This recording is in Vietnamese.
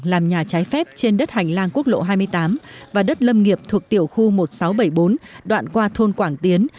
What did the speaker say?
làm nhà trái phép trên đất hành lang quốc lộ hai mươi tám và đất lâm nghiệp thuộc tiểu khu một nghìn sáu trăm bảy mươi bốn đoạn qua thôn quảng tiến